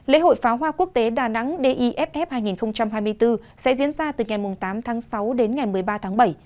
lễ hội pháo hoa quốc tế đà nẵng deff hai nghìn hai mươi bốn sẽ diễn ra từ ngày tám tháng sáu đến ngày một mươi ba tháng bảy